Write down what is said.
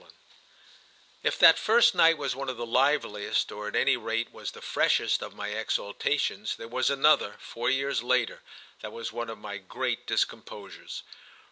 III IF that first night was one of the liveliest, or at any rate was the freshest, of my exaltations, there was another, four years later, that was one of my great discomposures.